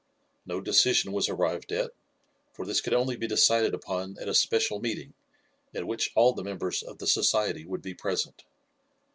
No decision was arrived at, for this could only be decided upon at a special meeting, at which all the members of the society would be present.